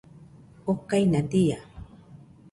okaina dia